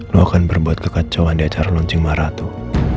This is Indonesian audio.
lo akan berbuat kekecohan di acara loncing marah tuh